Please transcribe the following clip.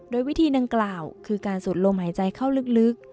โดยวิธีดังกล่าวคือการสูดลมหายใจเข้าลึก